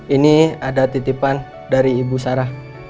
ini ada titipan dari ibu sarah